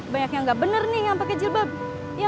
banyak yang gak bener nih yang pakai jilbabnya